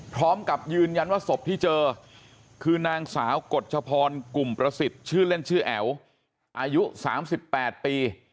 พร้อมกับยืนยันว่าศพที่เจอคือนางสาวกฎชพรกลุ่มประสิทธิ์ชื่อเล่นชื่อแอ๋วอายุ๓๘ปี